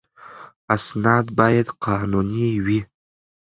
اسناد باید قانوني وي.